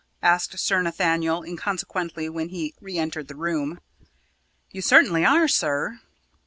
asked Sir Nathaniel inconsequently when he re entered the room. "You certainly are, sir."